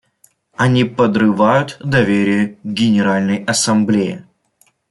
Они подрывают доверие к Генеральной Ассамблее.